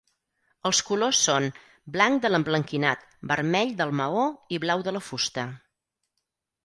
Els colors són: blanc de l'emblanquinat, vermell del maó i blau de la fusta.